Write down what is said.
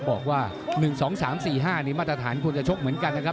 บอกว่า๑๒๓๔๕นี่มาตรฐานควรจะชกเหมือนกันนะครับ